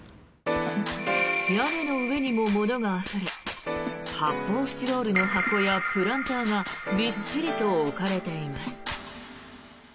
屋根の上にも物があふれ発泡スチロールの箱やプランターがびっしりと置かれています。